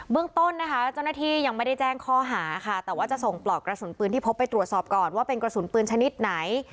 เรื่องต้นนะคะเจ้าหน้าที่ยังไม่ได้แจ้งข้อหาค่ะแต่ว่าจะส่งปลอกกระสุนปืนที่พบไปตรวจสอบก่อนว่าเป็นกระสุนปืนชนิดไหน